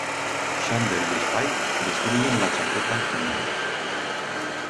Xander y Spike destruyen la chaqueta al final.